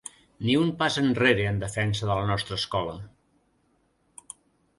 Ni un pas enrere en defensa de la nostra escola!